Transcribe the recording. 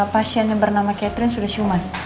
pasien yang bernama catherine sudah siuman